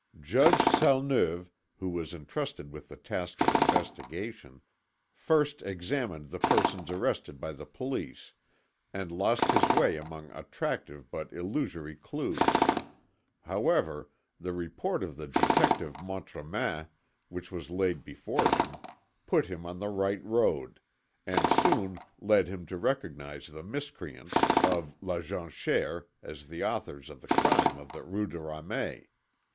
Judge Salneuve, who was entrusted with the task of investigation, first examined the persons arrested by the police, and lost his way among attractive but illusory clues; however, the report of the detective Montremain, which was laid before him, put him on the right road, and soon led him to recognise the miscreants of La Jonchère as the authors of the crime of the Rue de Ramey.